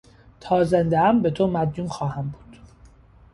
تا زندهام بهتو مدیون خواهم بود.